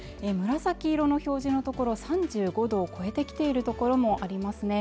紫色の表示の所３５度を超えてきているところもありますね